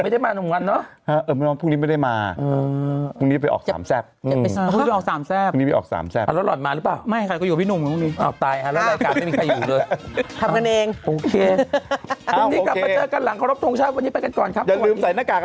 เดี๋ยวผมจะต้องสอบถามเรื่องนี้เลย